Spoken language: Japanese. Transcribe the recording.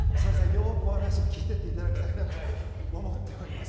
よくお話を聞いていただきたいと思っております。